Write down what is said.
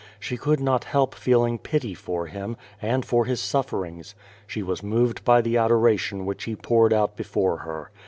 She could not help feding pity for him, and for his sulferings. She was moved by the adoration which he poureil out liefore her.